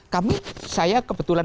kami saya kebetulan